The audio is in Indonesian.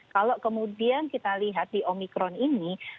kalau kemudian kita lihat di omikron ini